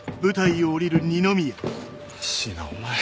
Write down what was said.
椎名お前。